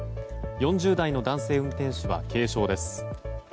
４０代の男性運転手は軽傷です。